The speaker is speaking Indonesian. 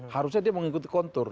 harusnya dia mengikuti kontur